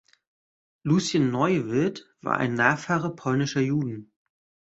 Lucien Neuwirth war ein Nachfahre polnischer Juden.